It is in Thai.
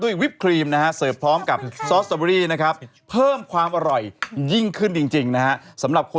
ไอศกรีมด้วยนะครับเรียกว่าเป็นพิเศษจริงนะ